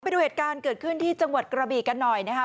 ไปดูเหตุการณ์เกิดขึ้นที่จังหวัดกระบีกันหน่อยนะครับ